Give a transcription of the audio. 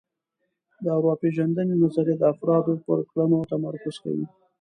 د ارواپېژندنې نظریه د افرادو پر کړنو تمرکز کوي